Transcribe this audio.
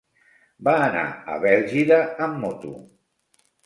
Va anar a Bèlgida amb moto.